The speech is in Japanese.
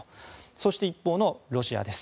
そして一方のロシアです。